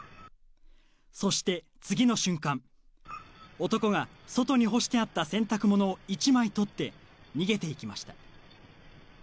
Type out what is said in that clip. そして、次の瞬間男が外に干してあった洗濯物を１枚取って逃げていきました。